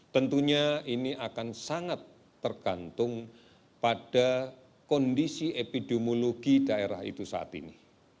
tentunya ini akan sangat tergantung pada kondisi epidemiologi daerah itu saat ini